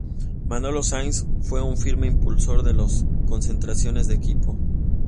Manolo Saiz fue un firme impulsor de las concentraciones de equipo.